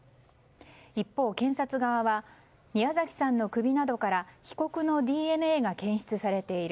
一方、検察側は宮崎さんの首などから被告のＤＮＡが検出されている。